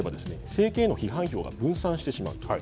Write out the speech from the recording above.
政権への批判票が分散してしまう。